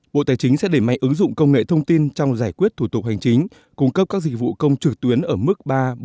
bộ tài chính sẽ đẩy mạnh ứng dụng công nghệ thông tin trong giải quyết thủ tục hành chính cung cấp các dịch vụ công trực tuyến ở mức ba bốn